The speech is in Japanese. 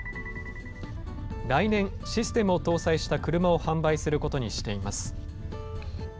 来年、システムを搭載した車を販売することにしています。